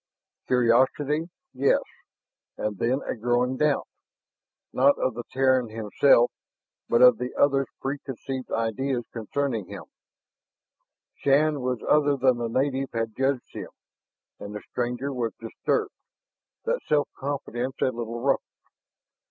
Curiosity, yes, and then a growing doubt, not of the Terran himself, but of the other's preconceived ideas concerning him. Shann was other than the native had judged him, and the stranger was disturbed, that self confidence a little ruffled.